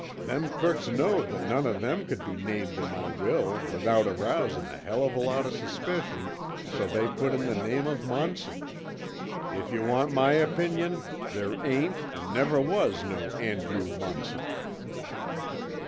Them crooks knowed that none o' them could be named in my will without arousin' a hell of a lot of suspicion, so they put in the name of Munson. If yuh want my opinion there ain't an' never was no Andrew Munson."